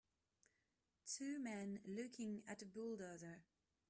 Two men looking at a bulldozer.